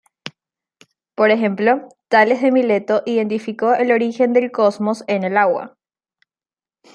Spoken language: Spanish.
Por ejemplo, Tales de Mileto identificó el origen del cosmos en el agua.